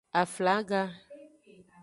Aflaga.